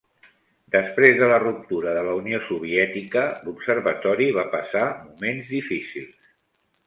Després de la ruptura de la Unió Soviètica, l'observatori va passar moments difícils.